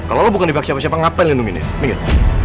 kalau lo bukan di pihak siapa siapa ngapain lo nungguin dia minggir